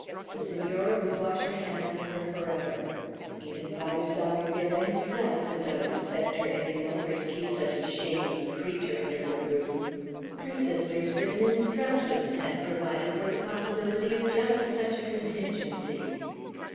The Senora would wash her hands of her forever. Even Father Salvierderra himself could not expect her any longer to keep such a shameless creature under her roof. Her sister's written instructions had provided for the possibility of just such a contingency.